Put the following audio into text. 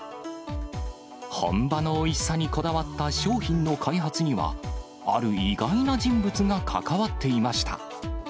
本場のおいしさにこだわった商品の開発には、ある意外な人物が関わっていました。